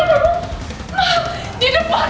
apaan tuh apaan